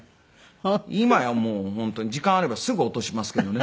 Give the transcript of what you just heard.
今やもう本当に時間あればすぐ落としますけどね。